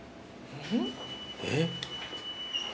えっ。